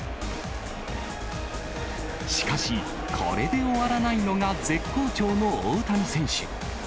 しかし、これで終わらないのが絶好調の大谷選手。